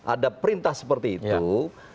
ada perintah seperti itu